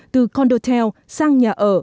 từ condotel sang nhà ở